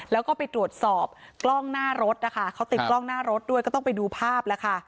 แล้วก็ไปตรวจสอบกล้องหน้ารถนะคะเขาติดกล้องหน้ารถด้วยก็ต้องไปดูภาพแล้วค่ะ